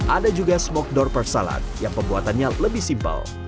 ada juga smoked doper salad yang pembuatannya lebih simpel